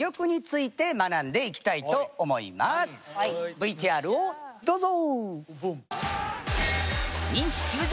ＶＴＲをどうぞ！